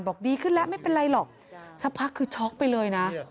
ดีขึ้นแล้วไม่เป็นไรหรอกสักพักคือช็อกไปเลยนะ